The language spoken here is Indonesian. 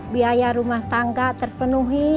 biaya rumah tangga terpenuhi